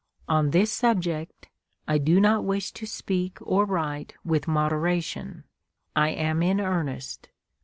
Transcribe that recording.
On this subject I do not wish to speak or write with moderation. I am in earnest.